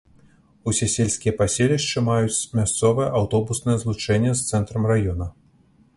Усе сельскія паселішчы маюць мясцовае аўтобуснае злучэнне з цэнтрам раёна.